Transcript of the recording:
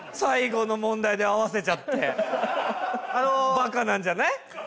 バカなんじゃない？